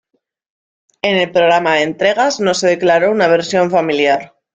En el programa de entregas no se declaró una versión familiar.